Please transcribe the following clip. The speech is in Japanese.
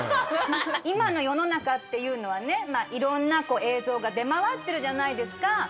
今の世の中っていうのはねいろんな映像が出回ってるじゃないですか。